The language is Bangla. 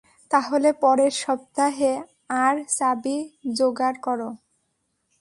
তাহলে পরের সপ্তাহে, আর চাবি যোগাড় করো।